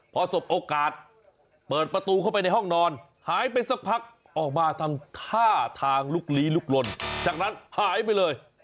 พอสบโอกาสเปิดประตูเข้าไปในห้องนอนหายไปสักพักออกมาทำท่าทางลุกลี้ลุกลนจากนั้นหายไปเลย